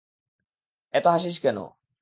এত হাসিস কেন?